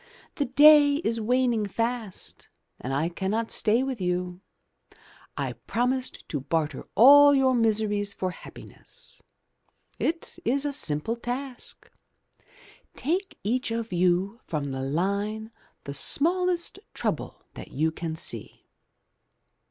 *The day is waning fast, and I cannot stay with you. I promised to barter all your miseries for happiness. It is a simple task. Take each of you from the line the smallest trouble that you can see."